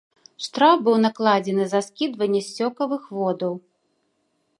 Штраф быў накладзены за скідванне сцёкавых водаў.